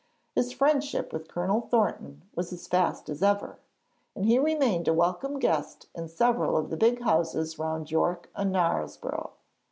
His friendship with Colonel Thornton was as fast as ever, and he remained a welcome guest in several of the big houses round York and Knaresborough.